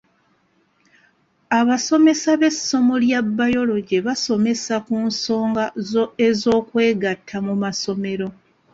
Abasomesa b'essomo lya Biology basomesa ku nsonga ez'okwegatta mu masomero .